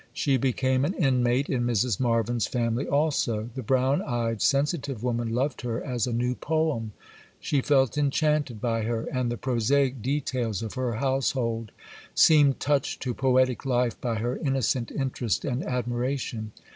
She became an inmate in Mrs. Marvyn's family also. The brown eyed, sensitive woman loved her as a new poem; she felt enchanted by her; and the prosaic details of her household seemed touched to poetic life by her innocent interest and admiration.